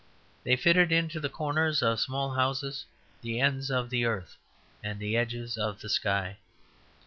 They fitted into the corners of small houses the ends of the earth and the edges of the sky.